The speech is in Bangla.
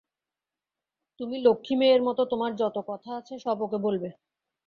তুমি লক্ষ্মী মেয়ের মতো তোমার যত কথা আছে, সব ওকে বলবে।